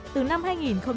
từ năm hai nghìn một mươi